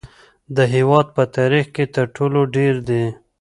د هیواد په تاریخ کې تر ټولو ډیر دي